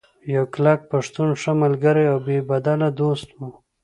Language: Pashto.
يو کلک پښتون ، ښۀ ملګرے او بې بدله دوست وو